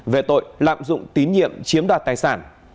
về tội lạm dụng tín nhiệm chiếm đoạt tài sản